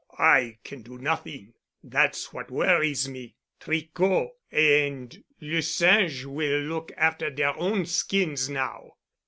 "I can do nothing. That's what worries me. Tricot and Le Singe will look after their own skins now."